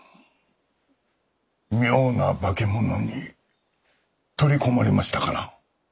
妙な化け物に取り込まれましたかな。